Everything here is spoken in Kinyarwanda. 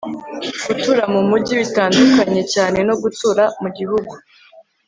gutura mumujyi bitandukanye cyane no gutura mugihugu